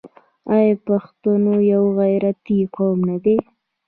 آیا پښتون یو غیرتي قوم نه دی؟